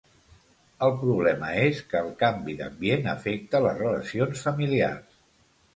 El problema és que el canvi d'ambient afecta les relacions familiars.